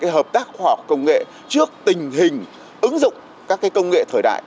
hợp tác khoa học công nghệ trước tình hình ứng dụng các công nghệ thời đại